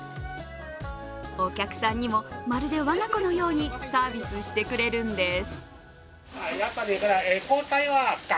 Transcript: お客さんにもまるで我が子のようにサービスしてくれるんです。